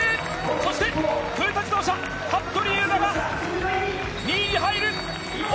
そしてトヨタ自動車・服部勇馬が２位に入る。